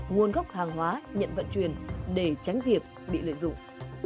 nguồn gốc hàng hóa nhận vận chuyển để tránh việc bị lợi dụng